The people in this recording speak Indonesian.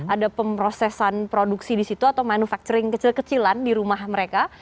ada pemrosesan produksi di situ atau manufacturing kecil kecilan di rumah mereka